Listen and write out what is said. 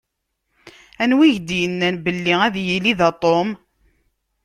Anwa i ak-d-yennan belli ad yili da Tom?